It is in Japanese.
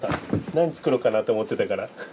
何作ろうかなと思ってたから。